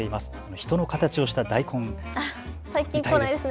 人の形をした大根、見たいです。